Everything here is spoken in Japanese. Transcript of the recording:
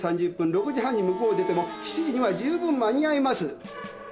６時半に向こうを出ても７時には十分間に合います。